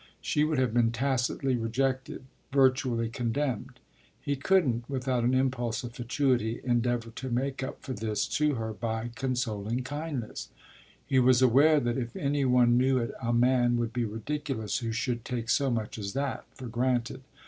She would have been tacitly rejected, virtually condemned. He couldn't without an impulse of fatuity endeavour to make up for this to her by consoling kindness; he was aware that if any one knew it a man would be ridiculous who should take so much as that for granted.